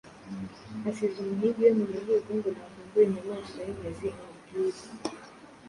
asize umuhigi we mu muhigo ngo navumbura inyamaswa y’inkazi amubwire.